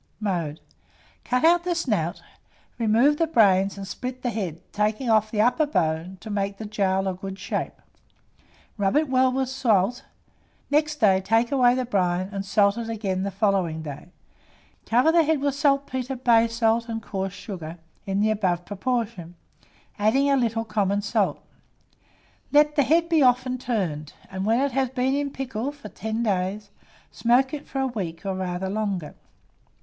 Mode. Cut out the snout, remove the brains, and split the head, taking off the upper bone to make the jowl a good shape; rub it well with salt; next day take away the brine, and salt it again the following day; cover the head with saltpetre, bay salt, and coarse sugar, in the above proportion, adding a little common salt. Let the head be often turned, and when it has been in the pickle for 10 days, smoke it for a week or rather longer.